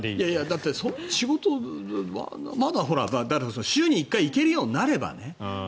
だって、仕事まだ週に１回行けるようになればね。